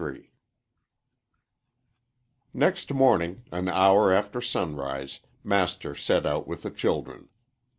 XXIII NEXT morning, an hour after sunrise, Master set out with the children.